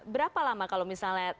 berapa lama kalau misalnya